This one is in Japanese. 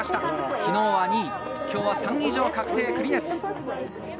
昨日は２位、今日は３位以上確定なクリネツ。